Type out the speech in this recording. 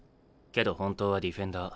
けど本当はディフェンダー。